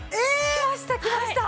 きましたきました！